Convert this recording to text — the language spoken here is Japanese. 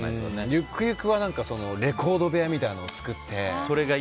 ゆくゆくはレコード部屋みたいなのを作って。